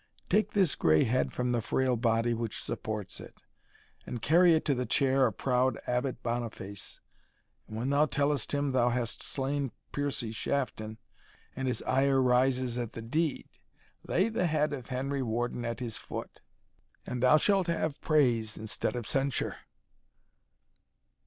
Take this gray head from the frail body which supports it, and carry it to the chair of proud Abbot Boniface; and when thou tellest him thou hast slain Piercie Shafton, and his ire rises at the deed, lay the head of Henry Warden at his foot, and thou shalt have praise instead of censure."